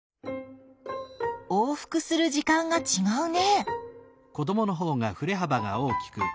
往復する時間がちがうね。